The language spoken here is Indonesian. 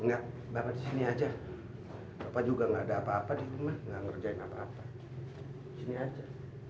enggak banget di sini aja bapak juga nggak ada apa apa di rumah nggak ngerjain apa apa sini aja